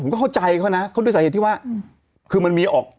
ก็เข้าใจเขานะเขาด้วยสาเหตุที่ว่าคือมันมีออก